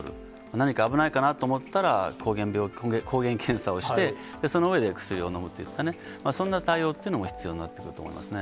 何か危ないかなと思ったら抗原検査をして、その上で薬をのむというか、そんな対応っていうのも必要になってくると思いますね。